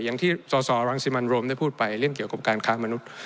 อย่างที่สสรังสิมันโรมได้พูดไปเรื่องเกี่ยวกับการค้ามนุษย์